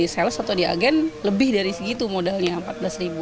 sales atau di agen lebih dari segitu modalnya rp empat belas